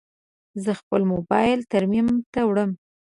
زه خپل موبایل ترمیم ته وړم.